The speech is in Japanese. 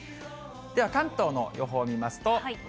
では関東の予報を見ますと。